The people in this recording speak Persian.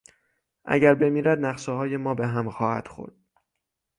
اگر بمیرد نقشههای ما به هم خواهد خورد.